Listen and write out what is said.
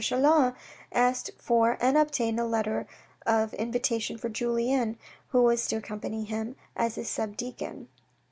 Chelan asked for and obtained a letter of invitation for Julien, who was to accompany him as his sub deacon.